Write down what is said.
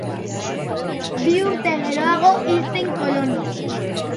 Bi urte geroago hil zen Kolonian.